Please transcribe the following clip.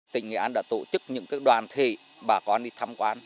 tỉnh nghệ an đã tổ chức những đoàn thể bà con đi thăm quan